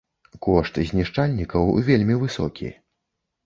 Кошт знішчальнікаў вельмі высокі.